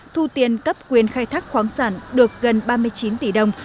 thu tiền cấp quyền khai thác khoáng sản được gần hai tỷ đồng